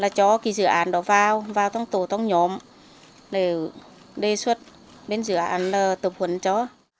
là cho cái dự án đó vào vào trong tổ trong nhóm để đề xuất đến dự án tập huấn cho